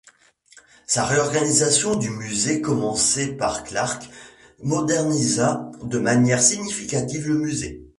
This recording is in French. Sa réorganisation du musée, commencée par Clarke, modernisa de manière significative le musée.